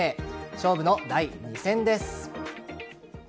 勝負の第２戦です。